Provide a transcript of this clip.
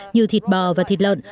như thịt bò và thịt lợn